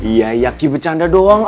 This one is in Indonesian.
iya iya ki bercanda doang